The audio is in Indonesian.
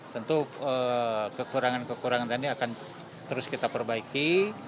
tentu kekurangan kekurangan tadi akan terus kita perbaiki